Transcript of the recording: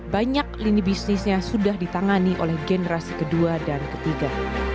banyak lini bisnisnya sudah ditangani oleh generasi kedua dan ketiga